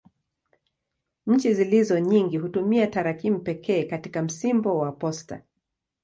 Nchi zilizo nyingi hutumia tarakimu pekee katika msimbo wa posta.